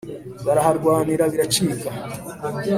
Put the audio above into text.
baraharwanira biracika